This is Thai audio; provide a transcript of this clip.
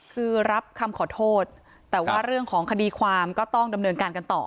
คือรับคำขอโทษแต่ว่าเรื่องของคดีความก็ต้องดำเนินการกันต่อ